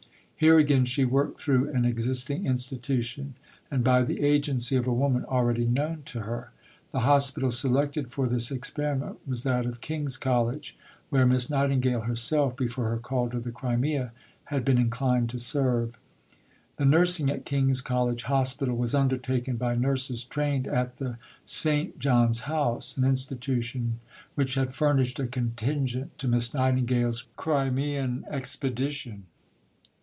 Here, again, she worked through an existing institution, and by the agency of a woman already known to her. The Hospital selected for this experiment was that of King's College, where Miss Nightingale herself, before her call to the Crimea, had been inclined to serve. The nursing at King's College Hospital was undertaken by nurses trained at the St. John's House an institution which had furnished a contingent to Miss Nightingale's Crimean expedition.